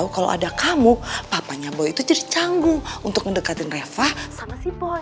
kalau ada kamu papanya boi itu jadi canggung untuk mendekatin reva sama si bon